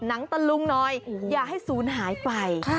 หนังตะลุงหน่อยอย่าให้ศูนย์หายไป